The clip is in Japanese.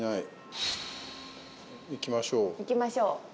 行きましょう。